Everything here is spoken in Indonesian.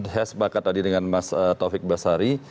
has bakat tadi dengan mas taufik basari